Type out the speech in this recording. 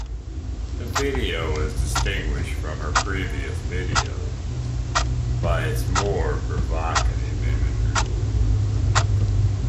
The video is distinguished from her previous videos by its more provocative imagery.